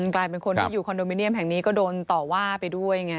กลายเป็นคนที่อยู่คอนโดมิเนียมแห่งนี้ก็โดนต่อว่าไปด้วยไง